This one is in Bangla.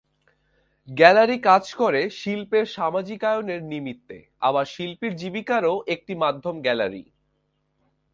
গ্যালারি কাজ করে শিল্পের সামাজিকায়নের নিমিত্তে, আবার শিল্পীর জীবিকার একটি মাধ্যমও গ্যালারি।